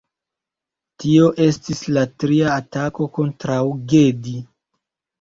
Tio estis la tria atako kontraŭ Gedi.